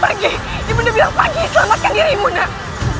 pagi ibu dami bilang pagi selamatkan dirimu dami